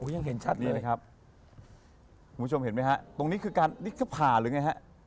โอ้ยยังเห็นชัดเลยนะครับคุณผู้ชมเห็นไหมครับตรงนี้คือการนี่คือผ่าหรือไงครับ